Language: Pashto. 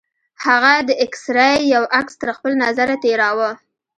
هغه د اکسرې يو عکس تر خپل نظره تېراوه.